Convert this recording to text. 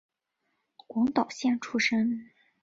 广岛县出身。